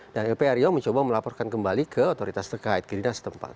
dan lpa riau mencoba melaporkan kembali ke otoritas terkait ke dinas tersebut